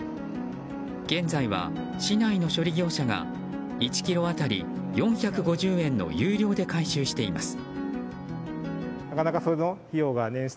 現在は市内の処理業者が１ｋｇ当たり４５０円の有料で回収しています。